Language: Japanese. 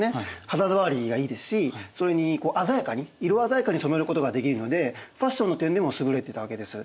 肌触りがいいですしそれに鮮やかに色鮮やかに染めることができるのでファッションの点でも優れてたわけです。